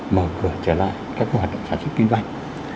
mở cửa trở lại các hoạt động sản xuất kinh doanh